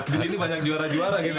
di sini banyak juara juara gitu ya